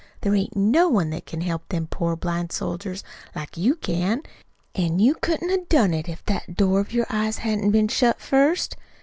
There ain't no one that can help them poor blind soldiers like you can. An' you couldn't 'a' done it if the door of your eyes hadn't been shut first.